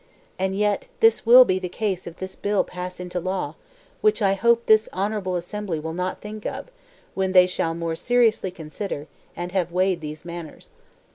And yet this will be the case if this bill pass into a law; which I hope this honourable assembly will not think of, when they shall more seriously consider, and have weighed these matters.